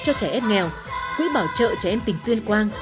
cho trẻ em nghèo quỹ bảo trợ trẻ em tỉnh tuyên quang